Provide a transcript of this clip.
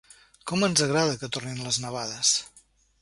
Com ens agrada que tornin les nevades!